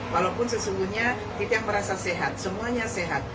walaupun sesungguhnya kita merasa sehat semuanya sehat